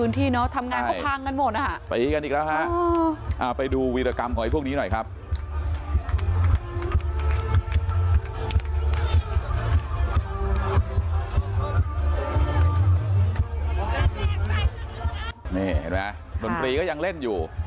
นี่เห็นไหมดนตรีก็ยังเล่นอยู่